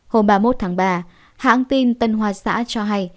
hôm ba mươi một tháng ba hãng tin tân hoa xã cho hay